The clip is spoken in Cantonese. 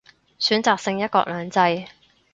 選擇性一國兩制